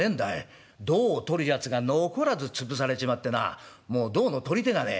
胴を取るやつが残らず潰されちまってなもう胴の取り手がねえ。